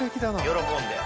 喜んで。